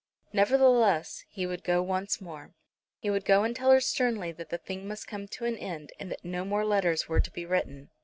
Nevertheless, he would go once more. He would go and tell her sternly that the thing must come to an end, and that no more letters were to be written.